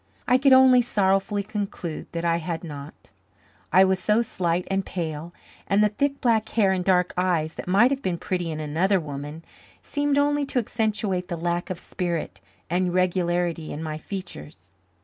I could only sorrowfully conclude that I had not I was so slight and pale, and the thick black hair and dark eyes that might have been pretty in another woman seemed only to accentuate the lack of spirit and regularity in my features.